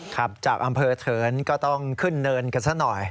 ขับจากอำเภอเถินก็ต้องขึ้นเนินกันซะหน่อย